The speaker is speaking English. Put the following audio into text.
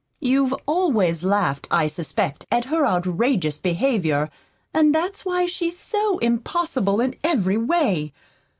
You've always laughed, I suspect, at her outrageous behavior, and that's why she's so impossible in every way.